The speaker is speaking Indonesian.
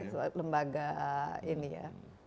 di lembaga ini ya